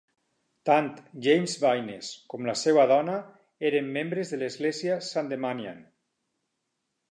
Tant James Baynes com la seva dona eren membres de l'església Sandemanian.